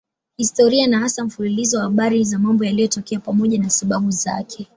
Historia ni hasa mfululizo wa habari za mambo yaliyotokea pamoja na sababu zake.